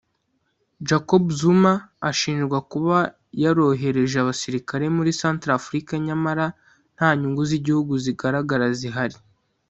Jacob Zuma ashinjwa kuba yarohereje abasirikare muri Centrafrique nyamara nta nyungu z’igihugu zigaragara zihari